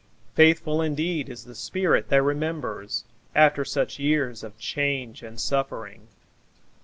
Faithful indeed is the spirit that remembers After such years of change and suffering!